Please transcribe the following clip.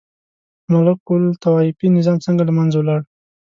ملوک الطوایفي نظام څنګه له منځه ولاړ؟